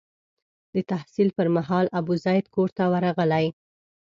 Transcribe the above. د تحصیل پر مهال ابوزید کور ته ورغلی.